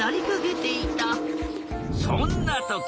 そんなとき。